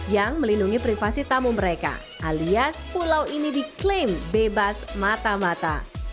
yang melindungi privasi tamu mereka alias pulau ini diklaim bebas mata mata